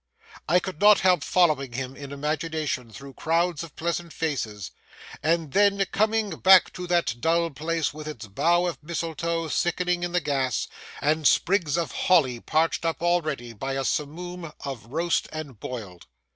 I could not help following him in imagination through crowds of pleasant faces, and then coming back to that dull place with its bough of mistletoe sickening in the gas, and sprigs of holly parched up already by a Simoom of roast and boiled.